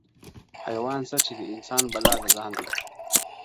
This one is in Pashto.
حيوان څه چي د انسان بلا د ځان دي٫